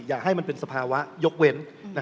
อย่าให้มันเป็นสภาวะยกเว้น